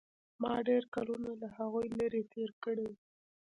ما ډېر کلونه له هغوى لرې تېر کړي وو.